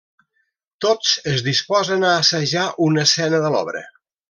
Tots es disposen a assajar una escena de l'obra.